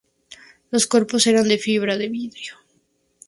Los cuerpos eran de fibra de vidrio.